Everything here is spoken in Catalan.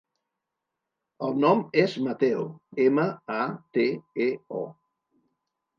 El nom és Mateo: ema, a, te, e, o.